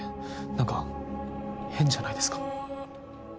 何か変じゃないですか？